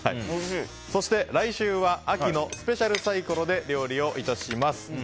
そして、来週は秋のスペシャルサイコロで料理をいたします。